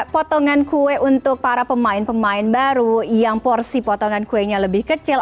potongan kue untuk para pemain pemain baru yang porsi potongan kuenya lebih kecil